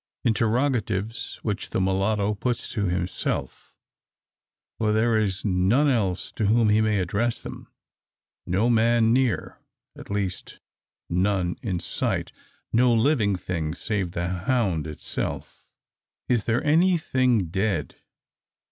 Interrogatives which the mulatto puts to himself; for there is none else to whom he may address them. No man near at least none in sight. No living thing, save the hound itself. Is there anything dead?